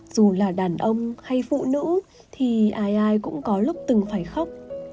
dù là đàn ông hay phụ nữ thì ai ai cũng có lúc từng phải khóc